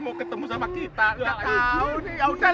namun nantinya kita mau di musician